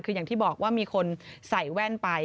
คืออย่างที่บอกว่ามีคนใส่แว่นไป